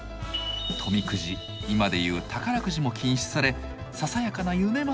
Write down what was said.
富くじ今で言う宝くじも禁止されささやかな夢までも奪われていました。